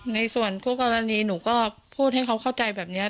ในส่วนคู่กรณีหนูก็พูดให้เขาเข้าใจแบบนี้